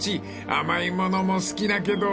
［甘いものも好きだけど］